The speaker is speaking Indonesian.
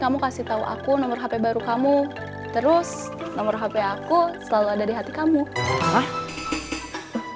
kamu kasih tahu aku nomor hp baru kamu terus nomor hp aku selalu ada di hati kamu di hati atau di hp